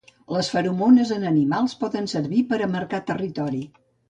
Les feromones en animals poden servir per a marcar territori.